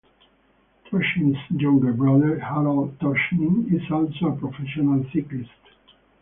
Totschnig's younger brother, Harald Totschnig is also a professional cyclist.